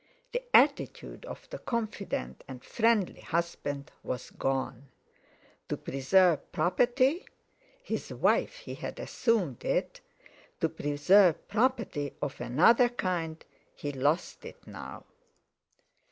The attitude of the confident and friendly husband was gone. To preserve property—his wife—he had assumed it, to preserve property of another kind he lost it now.